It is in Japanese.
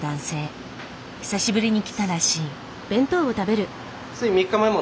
久しぶりに来たらしい。